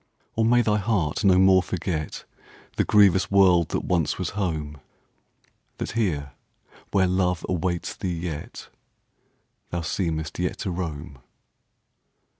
Or may thy heart no more forgetThe grievous world that once was home. That here, where love awaits thee yet, Thou seemest yet to roam?